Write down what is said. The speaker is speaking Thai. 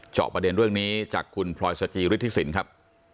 ประเด็นเรื่องนี้จากคุณพลอยสจิฤทธิสินครับ